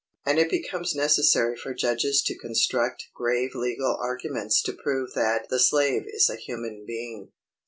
and it becomes necessary for judges to construct grave legal arguments to prove that the slave is a human being.